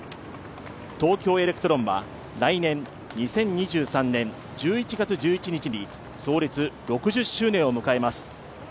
東京エレクトロンは来年２０２３年１１月１１日に創立６０周年を迎えます。